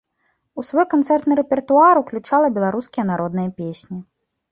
У свой канцэртны рэпертуар ўключала беларускія народныя песні.